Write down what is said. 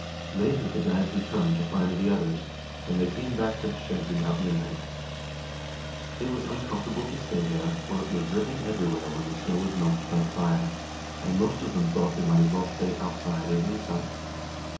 Later the guides returned to find the others, and they came back to the sheds about midnight. It was uncomfortable to stay there, for it was dripping everywhere when the snow was melted by the fire, and most of them thought they might as well stay outside as inside.